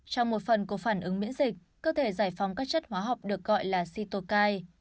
trong một phần của phản ứng miễn dịch cơ thể giải phóng các chất hóa học được gọi là sitokai